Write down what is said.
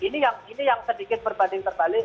ini yang sedikit berbanding terbalik